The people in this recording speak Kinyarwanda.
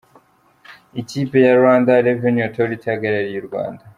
Ikipe ya Rwanda Revenue Authority ihagarariye u Rwanda.